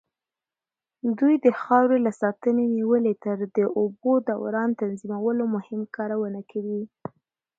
دوی د خاورې له ساتنې نيولې تر د اوبو دوران تنظيمولو مهم کارونه کوي.